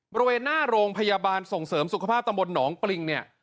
บริเวณหน้าโรงพยาบาลส่งเสริมสุขภาพตำบลหนองปริงเนี่ย